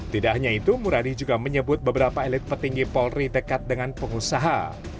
tidak hanya itu muradi juga menyebut beberapa elit petinggi polri dekat dengan pengusaha